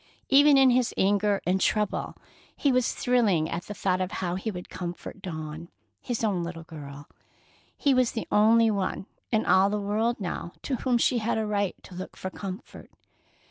Even in his anger and trouble, he was thrilling at the thought of how he would comfort Dawn, his own little girl. He was the only one in all the world now to whom she had a right to look for comfort.